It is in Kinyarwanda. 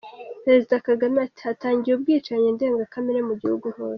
Perezida Kagame ati :"Hatangiye ubwicanyi ndengakamere mu gihugu hose.